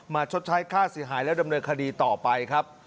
ชดใช้ค่าเสียหายแล้วดำเนินคดีต่อไปครับ